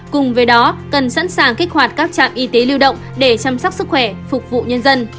cùng với đó cần sẵn sàng kích hoạt các trạm y tế lưu động để chăm sóc sức khỏe phục vụ nhân dân